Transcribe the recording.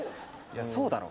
いやそうだろ。